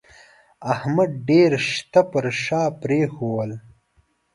احمد ډېر شته پر شا پرېښول